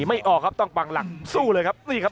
ไม่ออกครับต้องปักหลักสู้เลยครับ